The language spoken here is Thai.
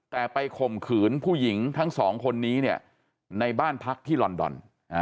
แต่ไปข่มขืนผู้หญิงทั้งสองคนนี้เนี่ยในบ้านพักที่ลอนดอน